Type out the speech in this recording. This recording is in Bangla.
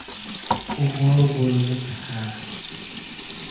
উমর বললেন, হ্যাঁ।